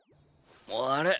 あれ？